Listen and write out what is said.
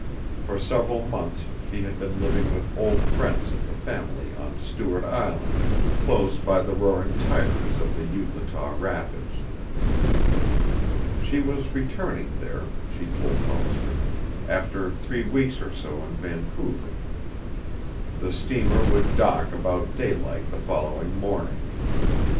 For several months she had been living with old friends of the family on Stuart Island, close by the roaring tiderace of the Euclataw Rapids. She was returning there, she told Hollister, after three weeks or so in Vancouver. The steamer would dock about daylight the following morning.